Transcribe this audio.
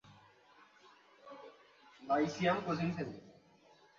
শক্তির মোকাবিলা অনেক সময় বুদ্ধির মাধ্যমে করতে হয়।